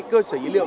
cơ sở dữ liệu